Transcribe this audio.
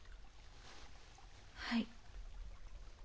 はい。